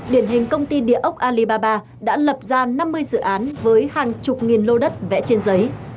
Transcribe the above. điển hình công ty địa ốc alibaba đã lập ra năm mươi dự án với hàng chục nghìn lô đất vẽ trên giấy